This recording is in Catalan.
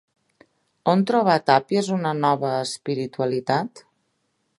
On trobà Tàpies una nova espiritualitat?